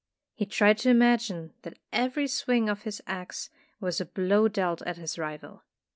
He tried to imagine that every swing of his axe was a blow dealt at his rival.